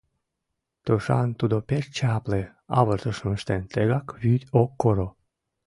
Тушан тудо пеш чапле авыртышым ыштен, тегак вӱд ок коро.